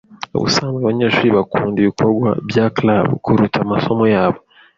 Ubusanzwe abanyeshuri bakunda ibikorwa bya club kuruta amasomo yabo.